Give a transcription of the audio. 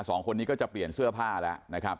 สองคนนี้ก็จะเปลี่ยนเสื้อผ้าแล้วนะครับ